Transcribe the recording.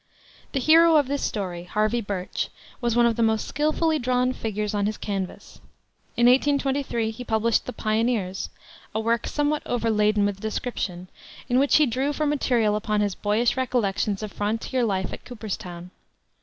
The hero of this story, Harvey Birch, was one of the most skillfully drawn figures on his canvas. In 1823 he published the Pioneers, a work somewhat overladen with description, in which he drew for material upon his boyish recollections of frontier life at Cooperstown.